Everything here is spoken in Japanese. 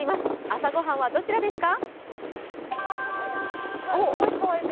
朝ご飯はどちらですか？